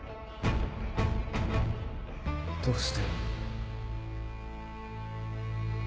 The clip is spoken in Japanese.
どうして。